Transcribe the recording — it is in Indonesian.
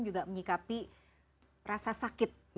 juga menyikapi rasa sakit